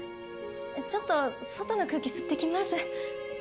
ちょっと外の空気吸ってきます。